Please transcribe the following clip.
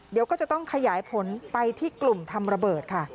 เดี๋ยวก็จะต้องขยายผลไปที่กลุ่มทำระเบิดค่ะ